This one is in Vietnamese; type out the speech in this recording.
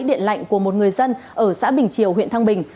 điện lạnh của một người dân ở xã bình triều huyện thăng bình